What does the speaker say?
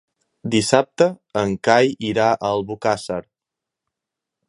Dissabte en Cai irà a Albocàsser.